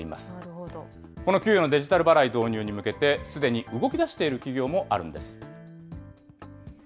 この給与のデジタル払い導入に向けて、すでに動きだしている企業もあるんです。